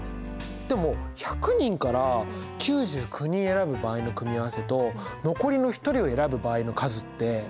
でも１００人から９９人選ぶ場合の組み合わせと残りの１人を選ぶ場合の数って同じじゃないかな？